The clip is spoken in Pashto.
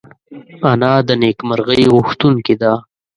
انا د نېکمرغۍ غوښتونکې ده